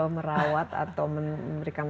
merawat atau memberikan